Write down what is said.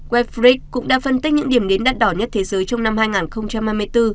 wefric cũng đã phân tích những điểm đến đắt đỏ nhất thế giới trong năm hai nghìn hai mươi bốn